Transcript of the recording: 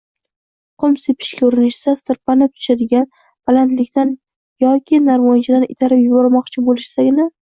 qum sepishga urinishsa, sirpanib tushadigan balandlikdan yoki narvonchadan itarib yubormoqchi bo‘lishsagina